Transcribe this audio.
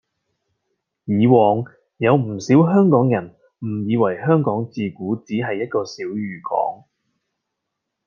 以往有唔少香港人誤以為香港自古只係一個小漁港